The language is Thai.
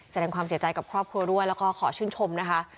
แสดงความเสียใจกับครอบครัวด้วยแล้วก็ขอชื่นชมนะคะ